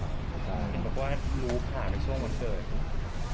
คุณพ่อรู้ผ่านในช่วงวันเกิดเหรอครับ